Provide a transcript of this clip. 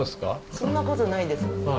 そんなことないですか？